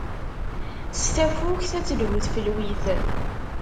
S tafukt ad telhu tfelwit.